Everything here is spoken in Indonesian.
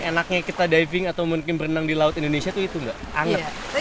enaknya kita diving atau mungkin berenang di laut indonesia itu itu nggak anget